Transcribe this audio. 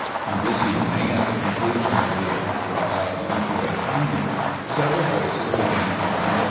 On this evening, at the con clusion of the opera of / Puritani, several voices began calling for M.